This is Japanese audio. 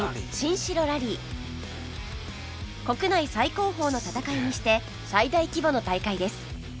国内最高峰の戦いにして最大規模の大会です